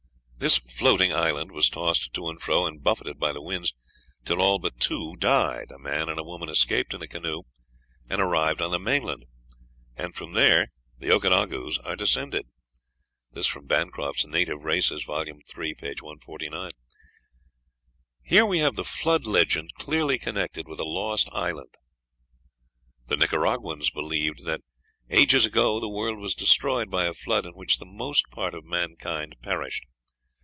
This floating island was tossed to and fro and buffeted by the winds till all but two died. A man and woman escaped in a canoe, and arrived on the main land; and from these the Okanagaus are descended." (Bancroft's "Native Races," vol. iii., p. 149.) Here we have the Flood legend clearly connected with a lost island. The Nicaraguans believed "that ages ago the world was destroyed by a flood, in which the most part of mankind perished.